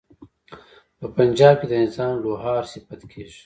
په پنجاب کې د نظام لوهار صفت کیږي.